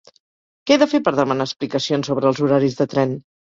Què he de fer per demanar explicacions sobre els horaris de tren?